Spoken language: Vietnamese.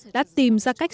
đã tìm ra cách